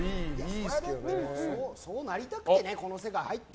そうなりたくてこの世界入って。